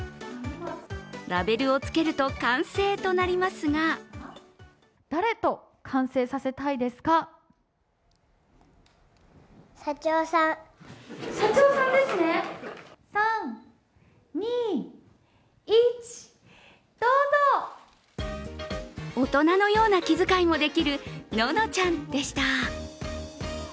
ラベルをつけると完成となりますが大人のような気遣いもできるののちゃんでした。